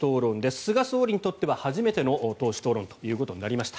菅総理にとっては初めての党首討論となりました。